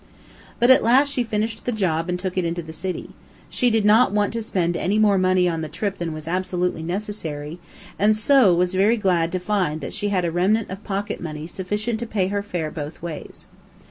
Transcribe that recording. But at last she finished the job and took it into the city. She did not want to spend any more money on the trip than was absolutely necessary, and so was very glad to find that she had a remnant of pocket money sufficient to pay her fare both ways.